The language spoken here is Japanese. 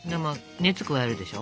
熱を加えるでしょ。